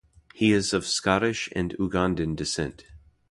He is of Scottish and Ugandan descent.